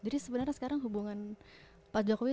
jadi sebenarnya sekarang hubungan pak jokowi